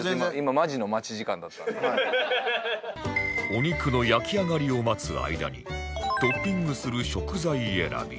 お肉の焼き上がりを待つ間にトッピングする食材選び